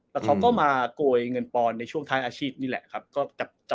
แล้วเขาก็มาโกยเงินปอนในช่วงท้ายอาชีพนี่แหละครับ